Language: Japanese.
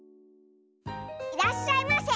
いらっしゃいませ。